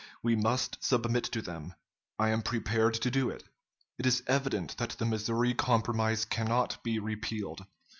We must submit to them. I am prepared to do it. It is evident that the Missouri Compromise cannot be repealed.